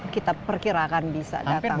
kita perkirakan bisa datang